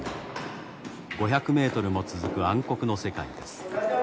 ５００メートルも続く暗黒の世界です。